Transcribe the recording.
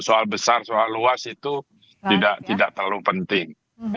soal besar soal luas itu tidak terlalu penting